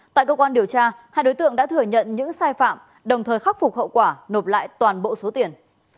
tại cơ quan điều tra hai đối tượng đã thừa nhận những sai phạm đồng thời khắc phục hậu quả nộp lại toàn bộ số tiền